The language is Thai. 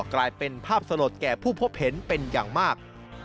กลายเป็นภาพสลดแก่ผู้พบเห็นเป็นอย่างมาก